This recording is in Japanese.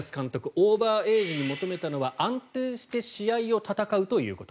オーバーエイジに求めたのは安定して試合を戦うということ。